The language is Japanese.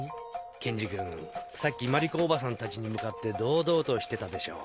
健二君さっき万理子おばさんたちに向かって堂々としてたでしょ。